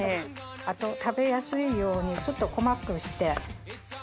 あと食べやすいようにちょっと細かくして。